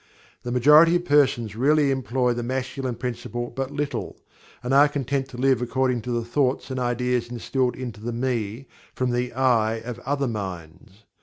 The majority of persons really employ the Masculine Principle but little, and are content to live according to the thoughts and ideas instilled into the "Me" from the "I" of other minds.